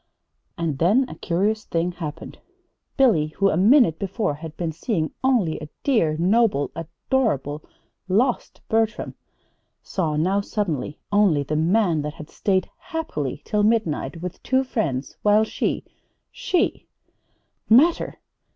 And then a curious thing happened. Billy, who, a minute before, had been seeing only a dear, noble, adorable, lost Bertram, saw now suddenly only the man that had stayed happily till midnight with two friends, while she she "Matter!